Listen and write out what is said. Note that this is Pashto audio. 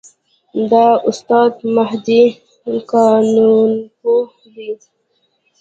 دا استاد مهدي قانونپوه دی.